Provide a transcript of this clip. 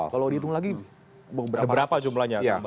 kalau dihitung lagi berapa jumlahnya